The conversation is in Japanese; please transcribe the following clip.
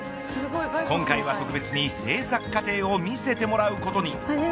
今回は特別に制作過程を見せてもらうことに。